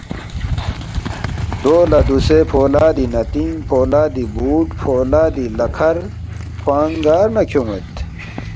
دو لہ دوسے فولادی نتِنگ، فولادی بُوٹ، فولادی لیکھر کھوانگ گار نہ کھیون٘ید؟